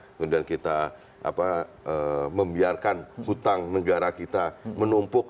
kemudian kita membiarkan hutang negara kita menumpuk